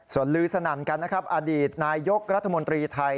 ส่วนลือสนั่นกันนะครับอดีตนายกรัฐมนตรีไทย